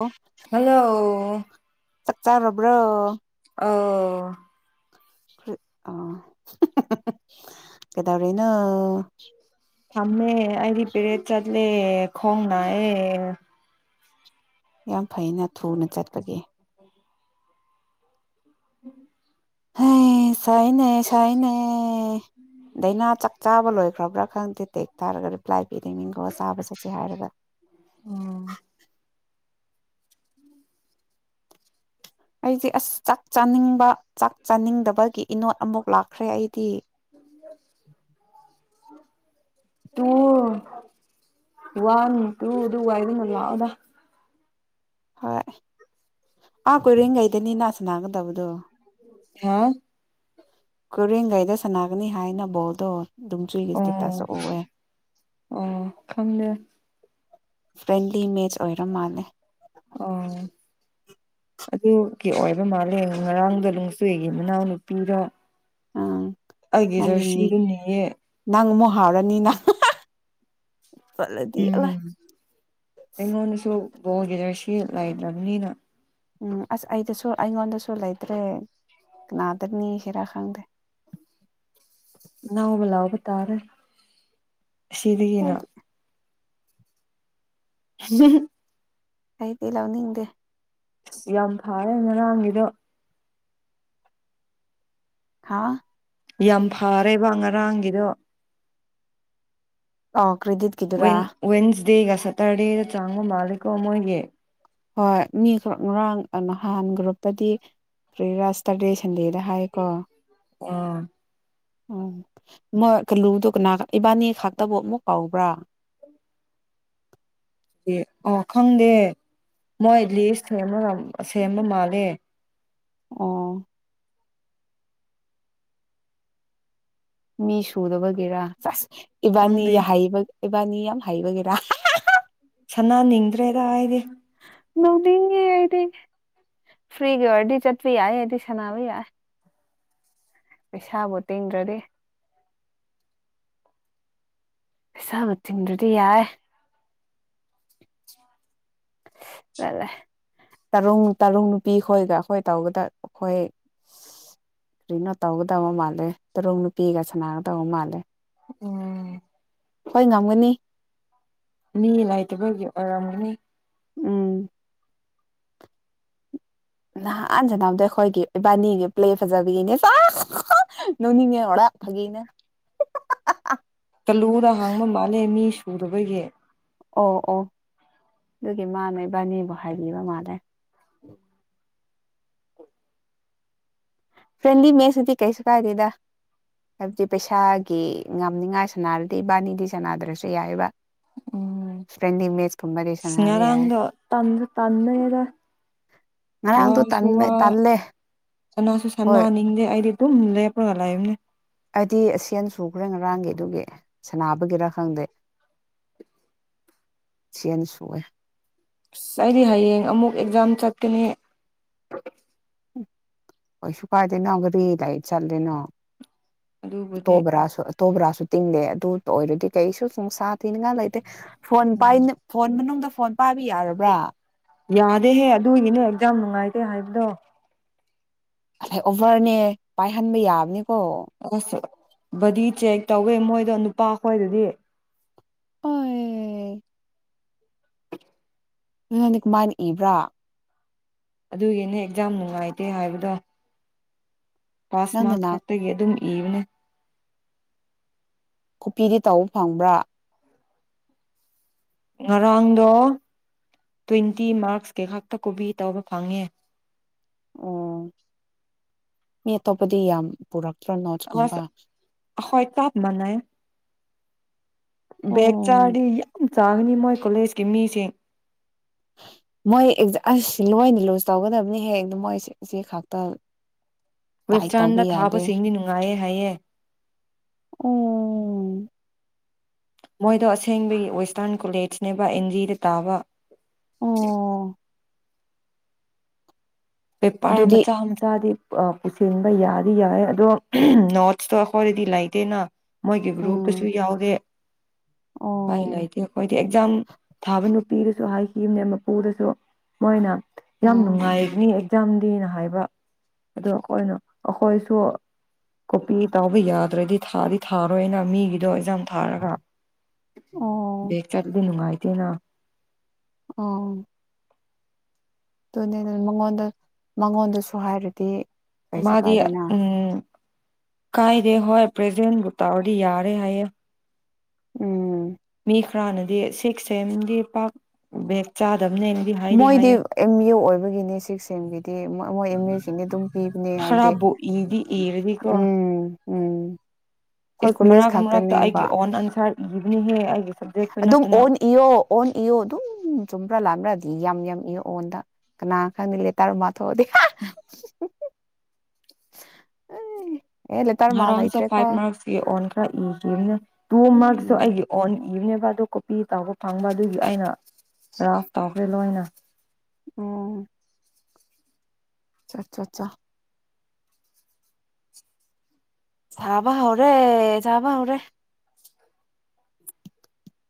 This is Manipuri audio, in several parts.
ꯑꯣ ꯍꯜꯂꯣ ꯆꯥꯛ ꯆꯥꯟꯣꯕ꯭ꯔꯣ ꯑꯣ ꯑ ꯀꯗꯩꯅ ꯊꯝꯃꯦ ꯑꯗꯤ ꯄꯦꯔꯦꯠ ꯆꯠꯂ ꯈꯣꯡꯅ ꯑꯦ ꯌꯥꯝ ꯐꯩꯅ ꯊꯨꯅ ꯆꯠꯄꯒꯤꯦ ꯎꯝ ꯍ ꯁꯥꯏꯅꯦ ꯁꯥꯏꯅꯦ ꯗꯥꯏꯅꯥ ꯆꯥꯛ ꯆꯥꯕ ꯂꯣꯏꯈ꯭ꯔꯕ꯭ꯔꯥ ꯈꯪꯗꯦ ꯇꯦꯛ ꯊꯥꯔꯒ ꯔꯤ ꯄ꯭ꯂꯥꯏ ꯄꯤꯔꯦ ꯃꯤꯡꯈꯣ ꯆꯥꯕ ꯆꯠꯁꯦ ꯍꯥꯏꯔꯒ ꯎꯝ ꯑꯩꯁꯦ ꯑꯁ ꯆꯥꯛ ꯆꯥꯅꯤꯡꯕ ꯆꯥꯛ ꯆꯥꯅꯤꯡꯗꯕꯒꯤ ꯏꯅꯣꯠ ꯑꯃꯨꯛ ꯂꯥꯛꯈ꯭ꯔꯦ ꯑꯩꯗꯤ [unintelligible] ꯇꯨ ꯋꯥꯟ ꯇꯨ ꯑꯗꯨ ꯋꯥꯏꯗꯅ ꯂꯥꯎꯗ ꯍꯣꯏ ꯑꯥ ꯀꯣꯏꯔꯦꯟꯈꯩꯗꯅꯤꯅꯥ ꯁꯅꯥꯒꯗꯕꯗꯣ ꯍꯥꯥ ꯀꯔꯤꯒꯩꯗ ꯁꯅꯥꯒꯅꯤ ꯍꯥꯏꯅꯕꯣꯗꯨꯣ ꯑꯗꯨꯝ ꯆꯨꯏꯒꯤ ꯑꯣ ꯏꯁꯇꯦꯛꯇꯁꯨ ꯑꯣꯏꯑꯦ ꯑꯣ ꯈꯪꯗꯦ ꯐ꯭ꯔꯦꯟꯂꯤ ꯏꯃꯦꯖ ꯑꯣꯏꯔ ꯃꯥꯜꯂꯦ ꯑꯣ ꯑꯗꯨꯒꯤ ꯑꯣꯏꯕ ꯃꯥꯜꯂꯦ ꯉꯔꯥꯡꯗꯣ ꯅꯨꯡꯆꯨꯒꯤ ꯃꯅꯥꯎꯅꯨꯄꯤꯗ ꯑꯥ ꯑꯩꯒꯤ ꯖꯔꯁꯤꯗꯨꯅꯦꯌꯦ ꯃꯍꯥꯎꯔꯅꯤꯅ ꯎꯝ ꯑꯩꯉꯣꯟꯅꯁꯨꯣ ꯕꯣꯒꯤꯗꯔꯁꯤ ꯂꯩꯗ꯭ꯔꯕꯅꯤꯅ ꯎꯝ ꯑꯁ ꯑꯩꯗꯁꯨ ꯑꯩꯉꯣꯟꯗꯁꯨ ꯂꯩꯇ꯭ꯔꯦ ꯀꯅꯥꯗꯅꯤ ꯈꯔ ꯈꯪꯗꯦ ꯅꯅꯥꯎꯕ ꯂꯑꯣꯕ ꯇꯥꯔꯦ ꯑꯁꯤꯗꯒꯤꯅ ꯑꯩꯗꯤ ꯍ ꯑꯩꯗꯤ ꯂꯧꯅꯤꯡꯗꯦ ꯑꯁ ꯌꯥꯝ ꯐꯔꯦ ꯉꯔꯥꯡꯒꯤꯗꯣ ꯍꯥꯥ ꯌꯥꯝ ꯐꯔꯦꯕ ꯉꯔꯥꯡꯒꯤꯗꯣ ꯑ ꯀ꯭ꯔꯤꯗꯤꯠꯀꯤꯗꯨꯔꯥ ꯗꯒ ꯁꯇꯔꯗꯦꯗ ꯆꯥꯡꯉꯣ ꯃꯥꯂꯤꯀꯣ ꯃꯣꯏꯦ ꯍꯣꯏ ꯃꯤ ꯉꯔꯥꯡ ꯅꯍꯥꯟꯒ꯭ꯔꯨꯞꯇꯗꯤ ꯐꯔꯤꯔꯥ ꯁꯇꯔꯗꯦ ꯁꯟꯗꯦꯗ ꯍꯥꯏꯀꯣ ꯑ ꯎ ꯃ ꯀꯜꯂꯨꯗꯨ ꯀꯅꯥ ꯏꯕꯥꯅꯤ ꯈꯥꯛꯇꯕꯨ ꯑꯃꯨꯛ ꯀꯥꯎꯕ꯭ꯔꯥ ꯑ ꯈꯪꯗꯦ ꯃꯣꯏ ꯂꯤꯁ ꯁꯦꯝꯃ ꯁꯦꯝꯕ ꯃꯥꯜꯂꯦ ꯑꯣ ꯃꯤ ꯁꯨꯗꯕꯒꯦꯔꯥ ꯆ ꯏꯕꯅꯤ ꯈꯪꯗꯦ ꯍꯥꯏꯩꯕ ꯑꯦꯕꯥꯅꯤ ꯌꯥꯝ ꯍꯥꯏꯩꯕꯒꯦꯔꯥ ꯁꯅꯥ ꯅꯤꯡꯗ꯭ꯔꯦꯗ ꯍꯥꯏꯗꯤ ꯅꯧꯅꯤꯡꯉꯦ ꯑꯩꯗꯤ ꯐ꯭ꯔꯤꯒꯤ ꯑꯣꯏꯔꯗꯤ ꯆꯠꯄ ꯌꯥꯏ ꯑꯩꯗꯤ ꯁꯥꯟꯅꯕ ꯌꯥꯏ ꯄꯩꯁꯥꯕꯨ ꯇꯦꯡꯗ꯭ꯔꯗꯤ ꯑꯦꯁꯥꯕ ꯆꯗꯨꯗꯤ ꯌꯥꯏ ꯇꯔꯨꯡ ꯇꯔꯨꯡ ꯅꯨꯄꯤ ꯈꯣꯏꯒ ꯑꯩꯈꯣꯏ ꯇꯧꯒꯗꯕ ꯑꯩꯈꯣꯏ ꯀꯔꯤꯅꯣ ꯇꯧꯒꯗꯕ ꯃꯥꯜꯂꯦ ꯇꯔꯨꯡ ꯅꯨꯄꯤꯒ ꯁꯅꯒꯗꯕ ꯃꯥꯜꯂꯦ ꯎꯝ ꯍꯣꯏ ꯉꯝꯒꯅꯤ ꯃꯤ ꯂꯥꯏꯇꯕꯒꯤ ꯑꯣꯏꯔꯝꯒꯅꯤ ꯎꯝ ꯅꯍꯥꯟ ꯁꯅꯕꯗꯣ ꯑꯩꯈꯣꯏꯒꯤ ꯏꯕꯥꯅꯤꯒꯤ ꯄ꯭ꯂꯦ ꯐꯖꯕꯒꯤꯅꯦ ꯅꯣꯡꯅꯤꯡꯉꯦꯔꯔꯥ ꯐꯥꯒꯤꯅꯦ ꯇꯜꯂꯨꯗ ꯍꯥꯡꯕ ꯃꯥꯜꯂꯦ ꯃꯤ ꯄꯨꯕꯒꯤ ꯑꯣ ꯑꯣ ꯑꯗꯨꯒꯤ ꯃꯥꯅ ꯏꯕꯥꯅꯤꯕꯨ ꯍꯥꯏꯕꯤꯕ ꯃꯥꯜꯂꯦ ꯎꯝ ꯐ꯭ꯔꯦꯟꯂꯤ ꯃꯦꯁꯇꯗꯤ ꯀꯩꯁꯨ ꯀꯥꯏꯗꯦꯗ ꯍꯥꯏꯕꯗꯤ ꯄꯩꯁꯥꯒꯤ ꯉꯅꯤꯡꯉꯥꯏ ꯁꯥꯟꯅꯔꯗꯤ ꯏꯕꯥꯅꯤꯗꯤ ꯁꯥꯟꯅꯗ꯭ꯔꯁꯨ ꯌꯥꯏꯑꯕ ꯎꯝ ꯐ꯭ꯔꯦꯟꯂꯤ ꯃꯦꯠꯁ ꯀꯨꯝꯕꯗꯤ ꯁꯥꯟꯅꯕ ꯌꯥꯏ ꯁꯅꯔꯥꯡꯗ ꯇꯥꯟ ꯇꯥꯟꯅꯗ ꯉꯔꯥꯡꯗꯣ ꯋꯥꯁꯨ ꯇꯟꯕ ꯇꯜꯂꯦ ꯋꯥꯁꯨ ꯅꯥ ꯍꯣꯏ ꯅꯤꯡꯦ ꯑꯩꯗꯤ ꯇꯨꯝ ꯂꯩ ꯄꯣꯒꯂꯥꯏꯝꯅꯦ ꯑꯩꯗꯤ ꯑꯁꯦꯟ ꯁꯨꯈ꯭ꯔꯦ ꯉꯔꯥꯡꯒꯤ ꯑꯗꯨꯒꯤ ꯁꯅꯥꯅꯕꯒꯤꯔ ꯈꯪꯗꯦ ꯆꯅ ꯁꯨꯋꯦ ꯑꯁ ꯑꯩꯗꯤ ꯍꯌꯦꯡ ꯑꯃꯨꯛ ꯑꯦꯛꯖꯥꯝ ꯆꯠꯀꯅꯤ ꯄꯩꯁꯨ ꯀꯥꯏꯗ ꯅꯒꯔꯤ ꯂꯥꯏꯠ ꯆꯜꯂ ꯅ ꯑꯗꯨꯕꯨꯗꯤ ꯇꯣꯕ꯭ꯔꯥꯁ ꯇꯣꯕ꯭ꯔꯥꯁꯨ ꯇꯤꯡꯗꯦ ꯑꯗꯨ ꯑꯣꯏꯔꯗꯤ ꯀꯩꯁꯨ ꯅꯨꯡꯁꯥ ꯊꯤꯅꯤꯡꯉꯥꯏ ꯂꯩꯇꯦ ꯐꯣꯟ ꯄꯥꯏꯅ ꯐꯣꯟ ꯃꯅꯥꯗ ꯐꯣꯟ ꯄꯥꯏꯕꯤ ꯌꯥꯔꯕ꯭ꯔꯥ ꯌꯥꯗꯦꯍꯦ ꯑꯗꯨꯏꯒꯤꯅꯦ ꯑꯦꯛꯖꯥꯝ ꯅꯨꯡꯉꯥꯏꯇꯦ ꯍꯥꯏꯕꯗꯣ ꯉꯁꯥꯏ ꯑꯣꯚꯔꯅꯦ ꯄꯥꯏꯍꯟꯕ ꯌꯥꯕꯅꯦ ꯑꯁ ꯗꯤ ꯆꯦ ꯇꯧꯋꯦ ꯃꯣꯏꯗꯣ ꯅꯨꯄꯥꯈꯣꯏꯗꯗꯤ ꯍ ꯅ ꯅꯪꯗꯤ ꯀꯃꯥꯏꯅ ꯏꯕ꯭ꯔꯥ ꯑꯗꯨꯒꯤꯅꯦ ꯑꯦꯛꯖꯥꯝ ꯅꯨꯡꯉꯥꯏꯇꯦ ꯍꯥꯏꯕꯗꯣ ꯄꯥꯁꯃꯥ ꯅꯪꯅ ꯈꯥꯛꯇꯒꯤ ꯑꯗꯨꯝ ꯏꯕꯅꯦ ꯀꯣꯄꯤꯗꯤ ꯇꯧꯕ ꯐꯪꯕ꯭ꯔꯥ ꯉꯔꯥꯡꯗꯣ ꯇ꯭ꯋꯦꯟꯇꯤ ꯃꯥꯔꯛꯁ ꯀꯩ ꯈꯥꯛꯛꯇ ꯀꯣꯕꯤ ꯇꯧꯕ ꯐꯪꯉꯦ ꯑꯣ ꯃꯤ ꯑꯇꯣꯞꯄꯗꯤ ꯌꯥꯝ ꯄꯨꯔꯛ ꯑ ꯍꯣꯏ ꯇꯞ ꯃꯥꯏ ꯦꯛꯦꯛ ꯑꯣ ꯆꯥꯗꯤ ꯆꯥꯒꯅꯤ ꯃꯣꯏ ꯀꯣꯂꯦꯖꯀꯤ ꯃꯤꯁꯤꯡ ꯃꯣꯏ ꯑꯁ ꯂꯣꯏꯅ ꯂꯣꯟꯁ ꯇꯧꯒꯗꯕꯅꯤ ꯍꯦꯛ ꯑꯗꯨ ꯃꯣꯏꯦ ꯆꯦ ꯈꯥꯛꯇ ꯋꯁꯇꯔꯟꯗ ꯊꯥꯕ ꯁꯤꯦꯡ ꯅꯨꯅꯨꯡ ꯉꯥꯏꯌꯦꯦ ꯍꯥꯏꯌꯦ ꯑꯣ ꯃꯣꯏꯗꯣ ꯑꯁꯦꯡꯕꯒꯤ ꯋꯦꯁꯇꯔꯟ ꯀꯣꯂꯦꯖꯅꯦꯕ ꯑꯦꯟ ꯖꯤꯗ ꯇꯥꯕ ꯑꯣ ꯕꯦꯄꯥꯔ ꯑꯗꯨꯗꯤ ꯃꯆꯥ ꯃꯆꯥꯗꯤ ꯄꯨꯁꯤꯟꯕ ꯌꯥꯗꯤ ꯌꯥꯏꯦ ꯑꯗꯣ ꯅꯣꯔꯠꯁꯇꯣ ꯑꯩꯈꯣꯏꯗꯤ ꯂꯩꯇꯦꯅ ꯃꯣꯏꯒꯤ ꯎꯝ ꯒ꯭ꯔꯨꯞꯀꯁꯨ ꯌꯥꯎꯗꯦ ꯂꯥꯏ ꯑꯣ ꯂꯥꯏꯗꯤ ꯑꯩ ꯀꯣꯏꯗꯤ ꯑꯦꯛꯖꯝ ꯊꯥꯕ ꯅꯨꯄꯤꯗꯁꯨ ꯍꯥꯏꯈꯤꯕꯅꯦ ꯃꯄꯨꯗꯁꯨ ꯃꯣꯏꯅ ꯌꯥꯝ ꯑꯥ ꯅꯨꯡꯉꯥꯏꯅꯤ ꯌꯥꯝꯛꯖꯥꯝ ꯗꯦꯅ ꯍꯥꯏꯕ ꯑꯗꯣ ꯑꯩꯈꯣꯏꯅ ꯑꯩꯈꯣꯏꯁꯨ ꯀꯣꯄꯤ ꯇꯥꯎꯕ ꯌꯥꯗ꯭ꯔꯗꯤ ꯊꯥꯗꯤ ꯊꯥꯔꯣꯏꯅ ꯃꯤꯒꯤꯗꯣ ꯑꯦꯛꯖꯥꯝ ꯊꯥꯔꯒ ꯑꯣ ꯕꯦꯛ ꯆꯠꯂꯗꯤ ꯅꯨꯡꯉꯥꯏ ꯏꯅ ꯑ ꯑꯗꯨꯅꯦ ꯃꯉꯣꯟꯗ ꯃꯉꯣꯟꯗꯁꯨ ꯍꯥꯏꯔꯗꯤ ꯀꯩꯁꯨ ꯃꯥꯗꯤ ꯀꯥꯏꯗꯅ ꯎꯝ ꯀꯥꯏꯔꯦ ꯍꯣꯏ ꯄ꯭ꯔꯖꯦꯟꯕꯨ ꯇꯧꯔꯗꯤ ꯌꯥꯔꯦ ꯍꯥꯏꯌꯦꯦ ꯎꯝ ꯃꯤ ꯈꯔꯅꯗꯤ ꯁꯤꯛꯁ ꯁꯦꯝꯦꯝꯗꯤ ꯄꯥꯛ ꯕꯦꯛ ꯆꯥ ꯃꯣꯏꯗꯤ ꯑꯦꯝ ꯑꯦꯨ ꯑꯣꯏꯕꯒꯤꯅꯤ ꯁꯤꯛꯁ ꯑꯒꯤꯗꯤ ꯃꯣꯏ ꯑꯦꯝ ꯑꯦꯨꯁꯤꯡꯗꯤ ꯑꯗꯨꯝ ꯄꯤꯕꯅꯦ ꯍꯥꯏꯕꯗꯤ ꯈꯔꯕꯨ ꯏꯗꯤ ꯏꯔꯗꯤꯀꯣ ꯎꯝ ꯎꯝ ꯑꯩꯈꯣꯏ ꯏꯁ ꯀꯣꯂꯦꯖ ꯃꯔꯛ ꯃꯔꯛꯇ ꯈꯛꯇꯅꯦꯕ ꯑꯩꯒꯤ ꯑꯣꯟ ꯑꯟꯁꯔ ꯑꯗꯨꯝ ꯑꯣꯟ ꯏꯌꯣ ꯑꯣꯟ ꯏꯌꯣ ꯑꯗꯨꯝ ꯆꯨꯝꯕ꯭ꯔꯥ ꯂꯥꯡ꯭ꯔꯥ ꯗꯤ ꯌꯥꯝ ꯏ ꯑꯣꯟꯗ ꯀꯅꯥ ꯈꯪꯗ ꯂꯩꯦꯇꯥꯥꯔꯨ ꯃꯥꯊꯣꯛꯑꯗꯤ ꯎꯝ ꯑꯦ ꯂꯦꯇꯔ ꯃꯥ ꯑꯔꯥꯎꯟꯁꯨ ꯂꯩꯇ꯭ꯔꯦꯀꯣ ꯐꯥꯏꯚ ꯃꯥꯔꯛꯁꯀꯤ ꯑꯣꯟ ꯈꯔ ꯏꯈꯤꯕ ꯇꯨ ꯃꯥꯔꯛꯁꯁꯨ ꯎꯝ ꯑꯩꯒꯤ ꯑꯣꯟ ꯏꯕꯅꯦꯕ ꯑꯗꯨ ꯀꯣꯄꯤ ꯇꯥꯎꯕ ꯐꯪꯕ ꯑꯗꯨꯒꯤ ꯑꯩꯅ ꯔꯐ ꯇꯧꯈ꯭ꯔꯦ ꯂꯣꯏꯅ ꯎꯝ ꯑ ꯑꯆꯥ ꯑꯠꯆꯥ ꯆꯕ ꯍꯧꯧꯔꯦ ꯆꯕ ꯍꯧꯧꯔꯦ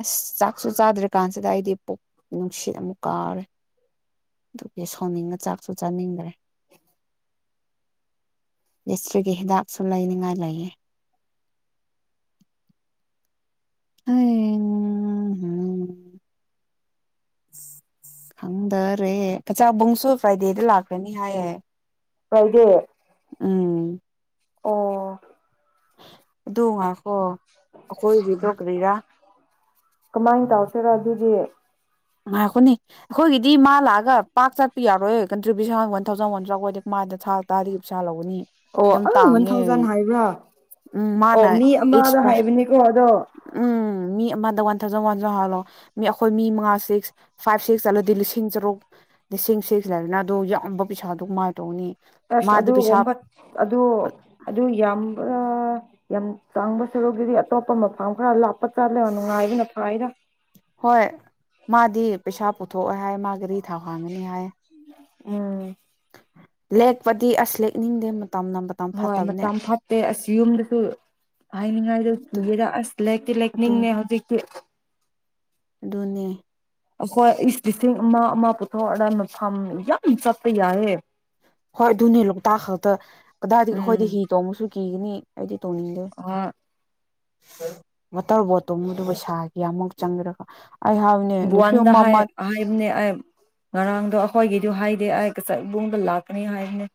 ꯑꯁ ꯆꯥꯛꯁꯨ ꯆꯥꯗ꯭ꯔꯤ ꯀꯥꯟꯁꯤꯗ ꯑꯩꯗꯤ ꯄꯨꯛ ꯅꯨꯡꯁꯤꯠ ꯑꯃꯨꯛ ꯀꯥꯎꯔꯦ ꯑꯗꯨꯒꯤ ꯁꯣꯅꯤꯡꯅ ꯆꯥꯛꯁꯨ ꯆꯥꯅꯤꯡꯈ꯭ꯔꯦ ꯗꯤꯁꯇ꯭ꯔꯤꯛꯀꯤ ꯍꯤꯗꯥꯛꯁꯨ ꯂꯩꯅꯤꯡꯉꯥꯏ ꯂꯩꯌꯦ ꯑ ꯈꯪꯗꯔꯦ ꯆꯆꯥꯕꯨꯡꯁꯨ ꯐ꯭ꯔꯥꯏꯗꯦꯗ ꯂꯥꯛꯈ꯭ꯔꯅꯤ ꯍꯥꯏꯌꯦ ꯍꯗ ꯎꯝ ꯑꯣ ꯑꯗꯨꯉ ꯍꯣ ꯑꯩꯈꯣꯏꯕꯤꯗ ꯀ ꯂꯩꯔꯥ ꯀꯃꯥꯏꯅ ꯇꯧꯁꯤꯔꯣ ꯑꯗꯨꯗꯤ ꯑ ꯑꯩꯈꯣꯅꯤ ꯑꯩꯈꯣꯏꯒꯤꯗꯤ ꯃꯥ ꯂꯥꯛꯑꯒ ꯄꯥꯛ ꯆꯠ ꯄꯤꯌꯥꯔꯣꯏ ꯀꯣ ꯨꯕꯤꯁ ꯍꯥꯡꯅꯊꯧꯖꯥꯎꯅꯖꯥꯎꯒꯗꯦ ꯃꯥꯗ ꯊꯥ ꯇꯔꯥꯗꯒꯤ ꯄꯩꯁꯥ ꯂꯧꯒꯅꯤ ꯑꯣ ꯌꯥꯝ ꯑꯥ ꯋꯥꯟ ꯇꯥꯡꯉꯦ ꯊꯥꯎꯖꯟ ꯍꯥꯏꯕ꯭ꯔꯥ ꯎꯝ ꯑꯣ ꯃꯥꯅ ꯃꯤ ꯑꯩꯠꯁ ꯑꯃꯗ ꯄꯥꯔꯁ ꯍꯥꯏꯕꯅꯦꯀꯣ ꯑꯗꯣ ꯎꯝ ꯃꯤ ꯑꯃꯗ ꯋꯥꯟ ꯊꯥꯎꯖꯟ ꯋꯥꯟꯖꯟ ꯍꯥꯜꯂꯣ ꯃꯤ ꯑꯩꯈꯣꯏ ꯃꯤ ꯃꯉꯥ ꯁꯤꯛꯁ ꯐꯥꯏꯚ ꯁꯤꯛꯁ ꯆꯠꯂꯗꯤ ꯂꯤꯁꯤꯡ ꯇꯔꯨꯛ ꯂꯤꯁꯤꯡ ꯁꯤꯁꯤ ꯂꯩꯔꯅ ꯑ ꯌꯥꯝꯕ ꯄꯩꯁꯥꯗꯨ ꯀꯃꯥꯏꯅ ꯇꯧꯅꯤ ꯑꯁ ꯃꯥꯗꯤ ꯑꯗꯨ ꯄꯩꯁꯥ ꯑꯣꯕ ꯑꯗꯨ ꯑꯗꯨ ꯌꯥꯝ ꯌꯥꯝ ꯆꯥꯡꯕ ꯁꯔꯨꯛꯒꯤꯗꯤ ꯑꯇꯣꯞꯄ ꯃꯐꯝ ꯈꯔ ꯂꯄ ꯄ ꯆꯥ ꯂꯦꯅꯅꯨꯡꯉꯕꯤꯅ ꯐꯥꯗ ꯍꯣꯏ ꯃꯥꯗꯤ ꯄꯩꯁꯥ ꯄꯨꯊꯣꯛꯑꯣꯦ ꯍꯥꯏ ꯃꯥꯒꯤꯗꯤ ꯊꯥꯎ ꯍꯥꯡꯒꯅꯤ ꯍꯥꯏ ꯎꯝ ꯂꯦꯛꯄꯗꯤ ꯑꯁ ꯂꯦꯛꯅꯤꯡꯗꯦ ꯃꯇꯝꯅ ꯃꯇꯝ ꯍꯣꯏ ꯐꯠꯇꯕꯅꯦ ꯃꯇꯝ ꯐꯠꯇꯦ ꯑꯁ ꯌꯨꯝꯗꯁꯨ ꯍꯥꯏꯅꯤꯡꯉꯥꯏꯗ ꯑꯗꯨ ꯀꯗ ꯑꯁ ꯂꯩꯛꯇꯤ ꯂꯦꯛꯅꯤꯡꯉ ꯍꯧꯖꯤꯛꯇꯤ ꯑꯗꯨꯣꯅꯦ ꯑꯩꯈꯣꯏ ꯏꯁ ꯂꯤꯁꯤꯡ ꯑꯃ ꯑꯃ ꯄꯨꯊꯣꯛꯑꯔ ꯃ ꯐꯥꯝ ꯌꯥꯝ ꯆꯠꯄ ꯌꯥꯏꯑꯦ ꯍꯣꯏ ꯑꯗꯨꯅꯦ ꯂꯣꯛꯇꯥꯛ ꯈꯛꯇ ꯀꯗꯥꯏꯗꯒꯤ ꯎꯝ ꯑꯩꯈꯣꯏꯗꯤ ꯍꯤ ꯇꯣꯡꯕꯁꯨ ꯀꯤꯒꯅꯤ ꯍꯥꯏꯗꯤ ꯇꯜꯂꯦ ꯑ ꯋꯥꯇꯔ ꯕꯣꯇꯣꯗꯨ ꯄꯩꯁꯥꯒꯤꯃꯨꯛ ꯆꯪꯈ꯭ꯔꯒ ꯕꯋꯥꯟꯗ ꯍꯥꯏ ꯍꯥꯏꯕꯅꯦ ꯑꯩ ꯉꯔꯥꯡꯗꯣ ꯑꯩꯈꯣꯏꯒꯤꯗꯨ ꯍꯥꯏ ꯗꯤ ꯑꯩꯁ ꯏꯕꯨꯡꯗ ꯂꯥꯛꯀꯅꯤ ꯍꯥꯏꯕꯅꯦ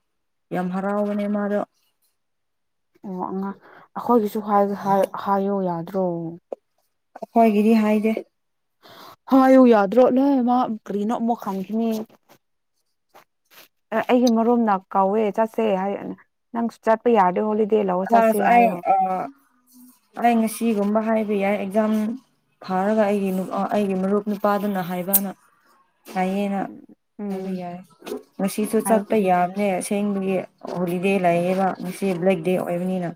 ꯌꯥꯝ ꯍꯔꯥꯎꯕꯅꯦ ꯃꯥꯗꯣ ꯑꯣ ꯑꯉꯥꯡ ꯑꯩꯈꯣꯏꯒꯤꯁꯨ ꯍꯥꯏꯌꯣ ꯌꯥꯗ꯭ꯔꯣ ꯑꯩꯈꯣꯏꯒꯤꯗꯤ ꯍꯥꯏꯗꯦ ꯍꯥꯏꯌꯨ ꯌꯥꯗ꯭ꯔꯣ ꯅꯣꯏ ꯃꯥ ꯀꯒ꯭ꯔꯤꯅꯣ ꯑꯃꯛ ꯈꯪꯈꯤꯅꯤ ꯑꯩꯒꯤ ꯃꯔꯣꯝꯅ ꯀꯥꯎꯋꯦ ꯆꯠꯁꯦ ꯍꯥꯏ ꯅꯪꯁꯨ ꯆꯠꯄ ꯌꯥꯗꯦ ꯍꯣ ꯍ ꯑꯩ ꯑ ꯑꯩ ꯉꯁꯤꯒꯨꯝꯕ ꯍꯥꯏꯕ ꯌꯥꯏ ꯑꯦꯛꯖꯥꯝ ꯊꯥꯔꯒ ꯑꯩꯒꯤ ꯑꯩꯒꯤ ꯃꯔꯨꯞ ꯅꯨꯄꯥꯗꯨꯅ ꯍꯥꯏꯕꯅ ꯍꯥꯏꯌꯦꯦꯅ ꯍꯥꯏꯕ ꯎꯝ ꯌꯥꯏ ꯉꯁꯤꯁꯨ ꯆꯠꯄ ꯍꯥꯏꯕ ꯌꯥꯕꯅꯦ ꯑꯁꯦꯡꯕꯒꯤ ꯍꯣꯂꯤꯗꯦ ꯂꯩꯌꯦꯕ ꯉꯆ ꯑꯗꯨ ꯑꯣꯏꯕꯅꯤꯅ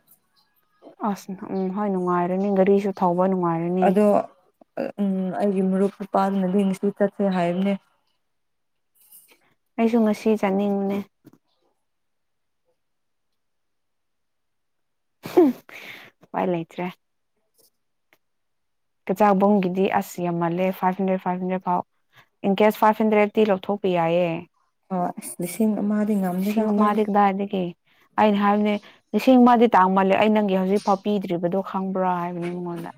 ꯑꯁ ꯎꯝ ꯍꯣꯏ ꯅꯨꯡꯉꯥꯏꯔꯅꯤ ꯒꯥꯔꯤꯁꯨ ꯊꯧꯕ ꯅꯃꯔꯅꯤ ꯑꯗꯣ ꯎꯝ ꯑꯩꯒꯤ ꯃꯔꯨꯞ ꯅꯨꯄꯥꯗꯨꯅꯗꯤꯦꯡꯁꯤ ꯆꯠꯁꯦ ꯍꯥꯏꯕꯅꯦ ꯁꯁꯨ ꯉꯁꯤ ꯆꯥꯅꯤꯡꯕꯅꯦ ꯋꯥꯏꯂꯥꯏꯇ꯭ꯔꯦ ꯀꯩꯆꯥꯛꯕꯨꯝꯒꯤꯗꯤ ꯑꯁ ꯌꯥꯝꯃꯜꯂꯦ ꯐꯥꯏꯚ ꯍꯟꯗ꯭ꯔꯦꯗ ꯐꯥꯏꯚ ꯍꯟꯗ꯭ꯔꯦꯠ ꯐꯥꯎ ꯏꯟ ꯀꯦꯁ ꯐꯥꯏꯚ ꯍꯟꯗ꯭ꯔꯦꯠꯇꯤ ꯂꯧꯊꯣꯛꯄ ꯌꯥꯏꯌꯦ ꯑ ꯑꯁ ꯂꯤꯁꯤꯡ ꯑꯃꯗꯤ ꯉꯝꯗꯣꯏꯕ ꯂꯤꯁꯤꯡ ꯑꯩꯈꯣꯏꯗꯤ ꯑꯃꯗꯤ ꯀꯗꯥꯏꯗꯒꯤ ꯑꯩꯅ ꯍꯥꯏꯕꯅꯦ ꯂꯤꯁꯤꯡ ꯃꯥꯗꯤ ꯇꯥꯡ ꯃꯥꯜꯂꯦ ꯑꯩ ꯅꯪꯒꯤ ꯍꯧꯖꯤꯛꯐꯥꯎ ꯄꯤꯗ꯭ꯔꯤꯕꯗꯣ ꯈꯪꯕ꯭ꯔꯥ ꯍꯥꯏꯕꯅꯤ ꯃꯉꯣꯟꯗ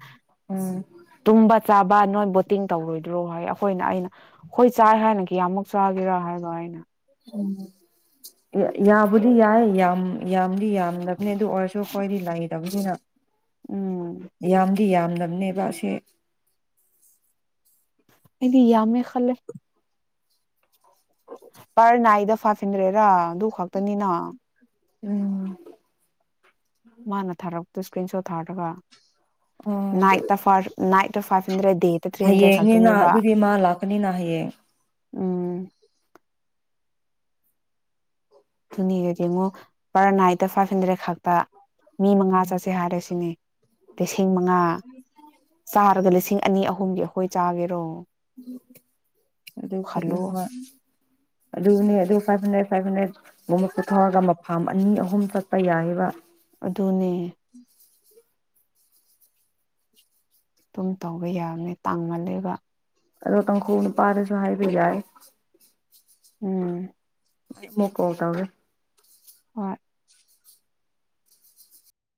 ꯎꯝ ꯇꯨꯝꯕ ꯆꯥꯕ ꯅꯣꯏ ꯕꯣꯠꯇꯤꯡ ꯇꯧꯔꯣꯏꯗ꯭ꯔꯣ ꯍꯥꯏ ꯑꯩꯈꯣꯏꯅ ꯑꯩꯅ ꯑꯩꯈꯣꯏ ꯆꯥ ꯍꯥꯏꯅ ꯀꯌꯥꯃꯨꯛ ꯆꯥꯒꯦꯔꯥ ꯍꯥꯏꯗꯣ ꯑꯩꯅ ꯌꯥꯕꯨꯗꯤ ꯌꯥꯏ ꯌꯥꯝ ꯌꯥꯝ ꯗꯤ ꯌꯥꯝꯗꯕꯅꯤ ꯑꯗꯨ ꯑꯣꯏꯔꯁꯨ ꯑꯩꯈꯣꯏꯗꯤ ꯂꯩꯇꯕꯅꯤꯅ ꯎꯝ ꯤ ꯌꯥꯝꯗꯕꯅꯦꯕꯁꯦ ꯑꯗꯤ ꯌꯥꯃꯦ ꯈꯂꯦ ꯄ ꯅꯅꯥꯏꯗ ꯐꯥꯏꯚ ꯍꯤꯟꯗ꯭ꯔꯦꯔꯥ ꯑꯗꯨ ꯈꯛꯇꯅꯤꯅ ꯎꯝ ꯃꯥꯅ ꯊꯥꯔꯛ ꯇ ꯁ꯭ꯀ꯭ꯔꯤꯟ ꯁꯣꯠ ꯊꯥꯔ ꯇꯀ ꯑꯣ ꯅꯥꯏ ꯇꯐꯔ ꯅꯥ ꯇ ꯐ ꯍꯌꯦꯡꯅꯤꯅ ꯑꯗꯨꯗꯤ ꯃꯥ ꯂꯥꯛꯀꯅꯤꯅ ꯍꯌꯦꯡ ꯎꯝ ꯑꯗꯨꯨꯅꯦꯒ ꯌꯦꯡꯉꯣ ꯄꯔ ꯅꯥꯏꯠꯇ ꯐꯥꯏꯚ ꯍꯟꯗ꯭ꯔꯦꯠ ꯈꯛꯇ ꯃꯤ ꯃꯉꯥ ꯆꯠꯁꯦ ꯍꯥꯏꯔꯁꯤꯅꯦ [unintelligible] ꯃꯤ ꯃꯉꯥ ꯆꯥꯔꯒ ꯂꯤꯁꯤꯡ ꯑꯅꯤ ꯑꯍꯨꯝꯒꯤ ꯑꯩꯈꯣꯏ ꯆꯥꯒꯦꯔꯣ? [unintelligible] ꯈꯜꯂꯣ ꯑꯗꯨꯅꯦ ꯑꯗꯨ ꯐꯥꯏꯚ ꯍꯟꯗ꯭ꯔꯦꯠ ꯐꯥꯏꯚ ꯍꯟꯗ꯭ꯔꯦꯠꯒꯨꯝꯕ ꯄꯨꯊꯔꯒ ꯃꯐꯝ ꯑꯅꯤ ꯑꯍꯨꯝ ꯆꯠꯄ ꯌꯥꯏꯌꯦꯕ ꯑꯗꯨꯅꯦ ꯑꯗꯨꯝ ꯇꯧꯕ ꯌꯥꯕꯅꯤ ꯇꯥꯡꯃꯜ ꯂꯦꯕ ꯔꯣ ꯇꯪꯈꯨꯜ ꯅꯨꯄꯗꯁꯨ ꯍꯥꯢꯕ ꯌꯥꯏ ꯫ ꯎꯝ꯫ [unintelligible] ꯀꯣꯜ ꯇꯧꯔꯦ꯫ ꯍꯣꯏ